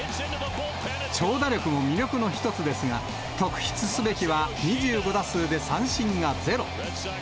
長打力も魅力の一つですが、特筆すべきは２５打数で三振がゼロ。